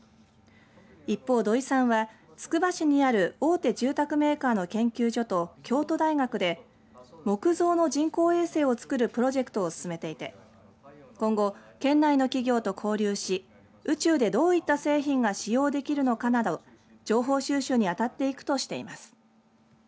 一方、土井さんはつくば市にある大手住宅メーカーの研究所と京都大学で木造の人工衛星を造るプロジェクトを進めていて今後、県内の企業と交流し宇宙でどういった製品が使用できるのかなど情報収集に当たっていくとしています。